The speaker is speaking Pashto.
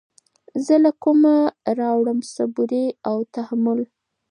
زه له كومه راوړم صبوري او تحمل